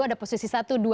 ada posisi satu dua tiga